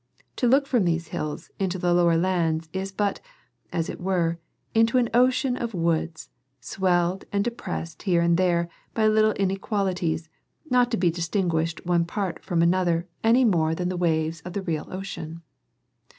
To look from these hills into the lower lands is but, as it were, into an ocean of woods, swelled and deprest here and there by little inequalities, not to be distinguished one part from another any more than the The Rivers and Yalleys of Pennsylvania. 187 waves of the real ocean.